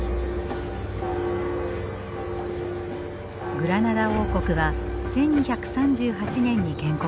グラナダ王国は１２３８年に建国されました。